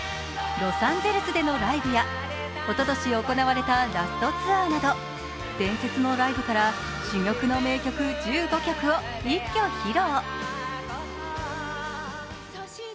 ロサンゼルスでのライブやおととし行われたラストツアーなど伝説のライブから珠玉の名曲１５曲を一挙披露。